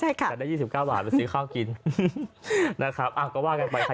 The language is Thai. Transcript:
อ๋อเหรออยากได้๒๙บาทไปซื้อข้าวกินนะครับอ้าวก็ว่ากันไปค่ะ